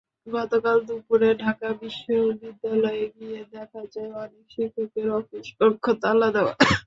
গতকাল দুপুরে ঢাকা বিশ্ববিদ্যালয়ে গিয়ে দেখা যায়, অনেক শিক্ষকের অফিস কক্ষ তালা দেওয়া।